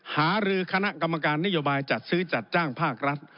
หารือคณะกรรมการนโยบายจัดซื้อจัดจ้างภาครัฐ